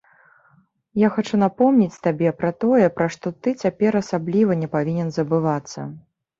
Я хачу напомніць табе пра тое, пра што ты цяпер асабліва не павінен забывацца.